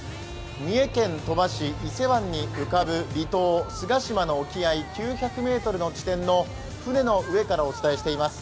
三重県鳥羽市、伊勢湾に浮かぶ離島菅島の沖合９００ｍの地点の船の上からお伝えしています。